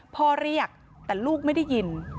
พ่อเรียกแต่ลูกไม่ได้ยิน